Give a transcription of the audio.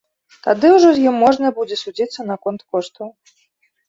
Тады ўжо з ім можна будзе судзіцца наконт коштаў.